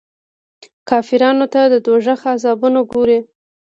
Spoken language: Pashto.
کافرانو ته د دوږخ عذابونه ګوري.